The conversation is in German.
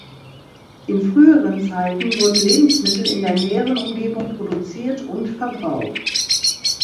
In früheren Zeiten wurden Lebensmittel in der näheren Umgebung produziert und verbraucht.